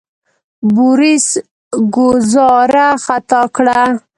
بوریس ګوزاره خطا کړه.